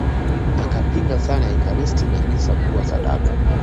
Akapinga sana Ekaristi na misa kuwa sadaka